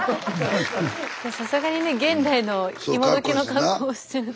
さすがにね現代の今どきの格好してると。